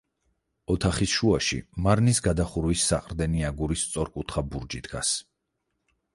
ოთახის შუაში მარნის გადახურვის საყრდენი აგურის სწორკუთხა ბურჯი დგას.